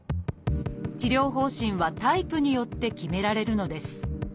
治療方針はタイプによって決められるのです。